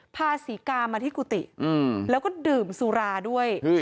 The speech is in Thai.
พาศรีกามาที่กุฏิแล้วก็ดื่มสุราด้วย